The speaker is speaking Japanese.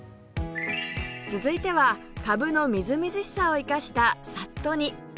続いてはかぶのみずみずしさを生かしたさっと煮